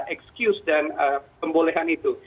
alasan dan kebolehan itu